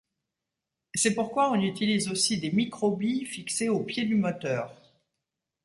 C'est pourquoi on utilise aussi des microbilles fixées au pied du moteur.